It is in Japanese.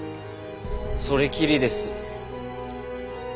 それきりです。